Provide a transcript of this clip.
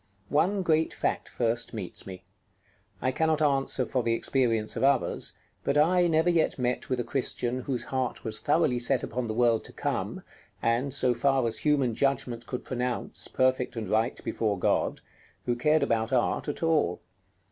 One great fact first meets me. I cannot answer for the experience of others, but I never yet met with a Christian whose heart was thoroughly set upon the world to come, and, so far as human judgment could pronounce, perfect and right before God, who cared about art at all.